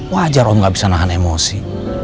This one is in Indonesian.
wajar om gak bisa nahan emosi